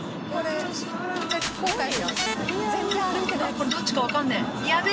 これどっちかわかんね。